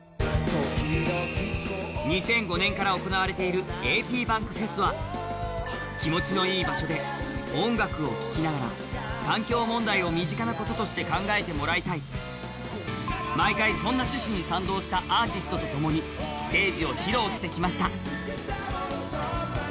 ２００５年から行われているａｐｂａｎｋｆｅｓは気持ちのいい場所で音楽を聴きながら環境問題を身近なこととして考えてもらいたい毎回、そんな趣旨に賛同したアーティストとともにステージをともにしてきました。